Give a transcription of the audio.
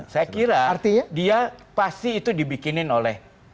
saya kira dia pasti itu dibikinin oleh